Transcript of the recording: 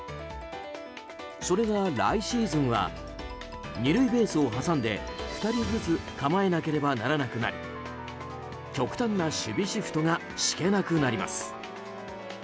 それが来シーズンは２塁ベースを挟んで２人ずつ構えなければならなくなり極端な守備シフトが敷けなくなります。